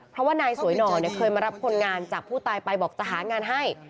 เพราะว่านายสวยหน่อเคยมารับคนงานจากผู้ตายไปบอกจะหางานให้